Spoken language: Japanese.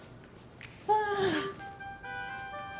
ああ。